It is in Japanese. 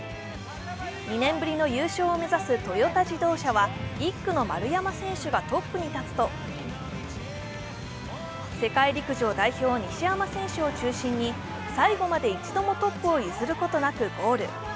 ２年ぶりの優勝を目指すトヨタ自動車は１区の丸山選手がトップに立つと世界陸上代表・西山選手を中心に最後まで１度もトップを譲ることなくゴール。